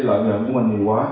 lợi nhuận của mình nhiều quá